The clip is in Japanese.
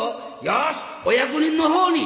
よしお役人のほうに！」。